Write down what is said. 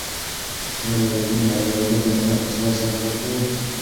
ایا د غزني د حیدر اباد د مڼو حاصلات سږکال ښه و؟